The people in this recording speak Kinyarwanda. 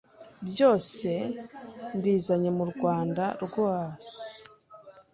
Byose mbizanye mu Rwanda rwaso,